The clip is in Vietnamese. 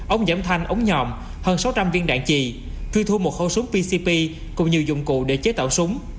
ống giảm thanh ống nhòm hơn sáu trăm linh viên đạn trì truy thu một khẩu súng pcp cùng nhiều dụng cụ để chế tạo súng